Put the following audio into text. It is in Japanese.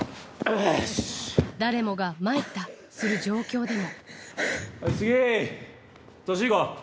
誰もが参ったする状況でも。